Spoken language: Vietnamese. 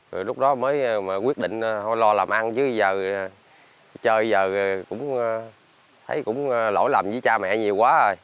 rồi lúc đó mới quyết định lo làm ăn chứ giờ chơi giờ cũng thấy cũng lỗi lầm với cha mẹ nhiều quá rồi